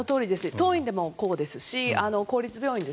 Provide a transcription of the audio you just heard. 当院でもこうですし公立病院